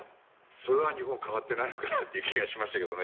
それは日本変わっていないのかなという気がしましたけどね。